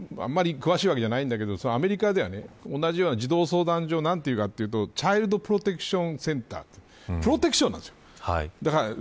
私もあんまり詳しくないんだけどアメリカでは同じような児童相談所なんていうかというとチャイルドプロテクションセンターってプロテクションなんです。